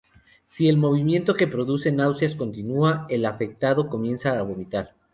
Si el movimiento que produce náuseas continúa, el afectado comenzará a vomitar.